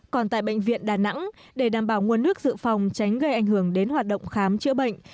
còn tại bệnh viện đà nẵng để đảm bảo nguồn nước dự phòng tránh gây ảnh hưởng đến hoạt động khám chữa bệnh